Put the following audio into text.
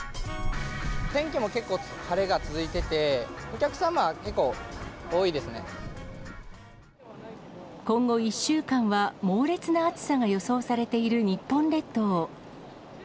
天気も結構晴れが続いてて、今後１週間は猛烈な暑さが予想されている日本列島。